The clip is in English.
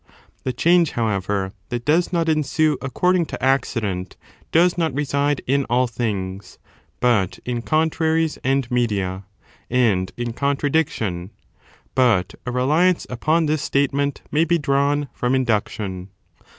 The change, however, that does not ensue according to accident does not reside in all things, but in contraries and media, and in contradiction. But a reliance upon this state ment may be drawn from induction.